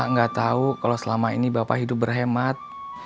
gak tau kalo selama ini bapak hidup berhemat